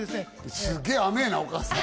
すっげぇ甘ぇなお母さん。